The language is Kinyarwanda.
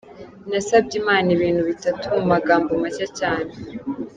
Nasabye Imana ibintu bitatu mu magambo make cyane.